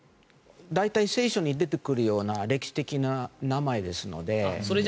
大体聖書に出てくるような歴史的な名前ですので。